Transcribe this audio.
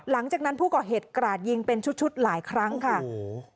หลังจากนั้นผู้ก่อเหตุกราดยิงเป็นชุดชุดหลายครั้งค่ะโอ้โห